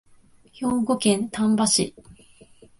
兵庫県丹波市